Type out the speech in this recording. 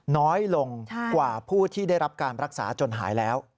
น้อยลงกว่าผู้ที่ได้รับการรักษาจนหายแล้ว